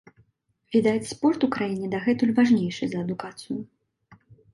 Відаць, спорт у краіне дагэтуль важнейшы за адукацыю.